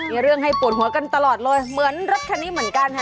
มีเรื่องให้ปวดหัวกันตลอดเลยเหมือนรถคันนี้เหมือนกันค่ะ